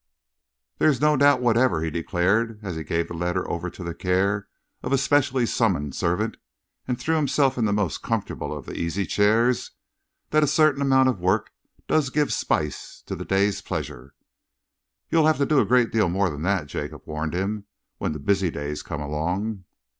"There is no doubt whatever," he declared, as he gave the letter over to the care of a specially summoned servant and threw himself into the most comfortable of the easy chairs, "that a certain amount of work does give spice to the day's pleasure." "You'll have to do a great deal more than that," Jacob warned him, "when the busy days come along."